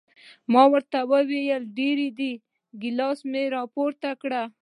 ما ورته وویل ډېر دي، ګیلاس مې را پورته کړ.